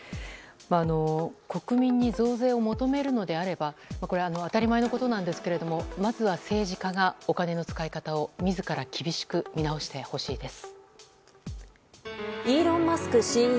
国民に増税を求めるのであれば当たり前のことなんですけれどもまずは政治家がお金の使い方を自ら厳しく見直してほしいです。